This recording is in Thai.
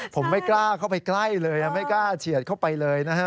ผมไม่กล้าเข้าไปใกล้เลยไม่กล้าเฉียดเข้าไปเลยนะฮะ